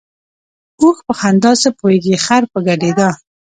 ـ اوښ په خندا څه پوهېږي ، خر په ګډېدا.